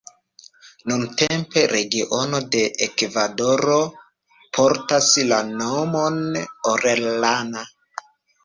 Nuntempe regiono de Ekvadoro portas la nomon Orellana.